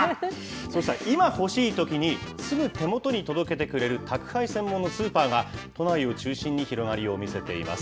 そうした、今欲しいときに、すぐ手元に届けてくれる宅配専門のスーパーが、都内を中心に広がりを見せています。